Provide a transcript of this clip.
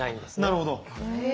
なるほど。